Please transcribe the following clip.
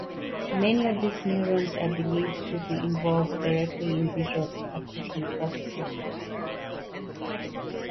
Many of these neurons are believed to be involved directly in visual acuity processing.